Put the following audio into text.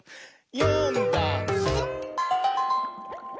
「よんだんす」